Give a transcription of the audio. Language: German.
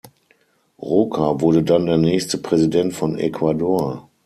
Roca wurde dann der nächste Präsident von Ecuador.